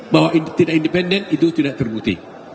bahwa tidak independen itu tidak terbukti